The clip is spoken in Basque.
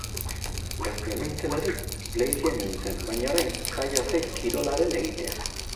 Gaztea nintzelarik fleitean nintzen, baina orain zaila zait kirolaren egitea.